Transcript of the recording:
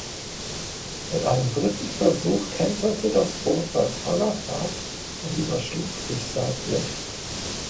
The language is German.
Bei einem dritten Versuch kenterte das Boot bei voller Fahrt und überschlug sich seitlich.